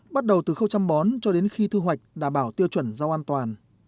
bắt đầu từ khâu chăm bón cho đến khi thư hoạch đả bảo tiêu chuẩn